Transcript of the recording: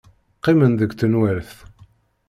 Qqimen deg tenwalt.